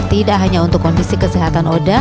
tidak hanya untuk kondisi kesehatan oda